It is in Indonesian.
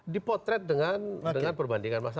dipotret dengan perbandingan masa